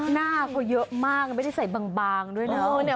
หน้าเขาเยอะมากไม่ได้ใส่บางด้วยนะ